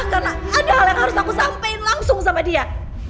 karena ada hal yang harus aku sampaikan langsung sama dia